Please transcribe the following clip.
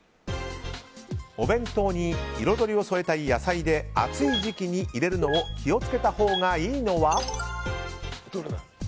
お弁当に彩りを添えたい野菜で暑い時期に入れるのを気を付けたほうがいいのは？